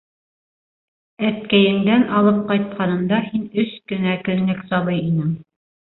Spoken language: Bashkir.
Әткәйеңдән алып ҡайтҡанымда һин өс кенә көнлөк сабый инең.